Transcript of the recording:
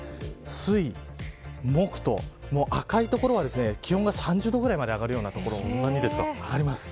水、木と赤い所は気温が３０度ぐらいまで上がるような所もあります。